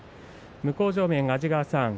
向正面の安治川さん